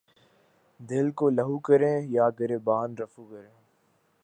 دل کو لہو کریں یا گریباں رفو کریں